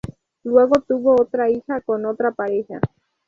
Luego tuvo otra hija con otra pareja.